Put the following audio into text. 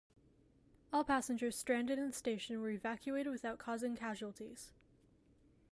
All passengers stranded in the station were evacuated without causing casualties.